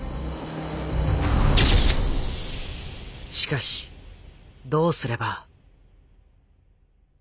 しかしどうすれば。